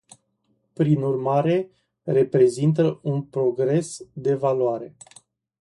Prin urmare, reprezintă un progres de valoare.